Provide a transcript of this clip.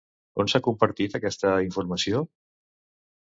On s'ha compartit aquesta informació?